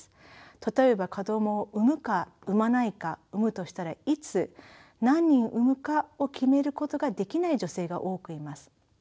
例えば子供を産むか産まないか産むとしたらいつ何人産むかを決めることができない女性が多くいます。